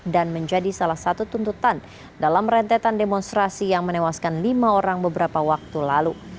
dan menjadi salah satu tuntutan dalam rentetan demonstrasi yang menewaskan lima orang beberapa waktu lalu